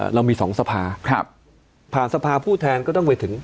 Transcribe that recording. เรามีสองสภาครับผ่านสภาผู้แทนก็ต้องไปถึง